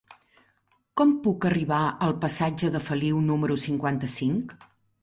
Com puc arribar al passatge de Feliu número cinquanta-cinc?